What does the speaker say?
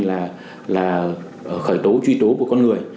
và có cái tiến hành là khởi tố truy tố của con người